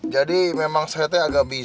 jadi memang saya agak bingung